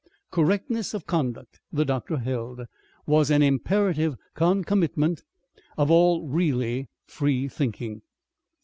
Correctness of conduct, the doctor held, was an imperative concomitant of all really free thinking.